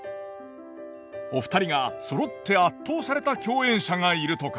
お二人がそろって圧倒された共演者がいるとか。